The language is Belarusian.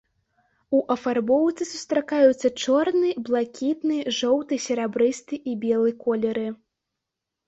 У афарбоўцы сустракаюцца чорны, блакітны, жоўты, серабрысты і белы колеры.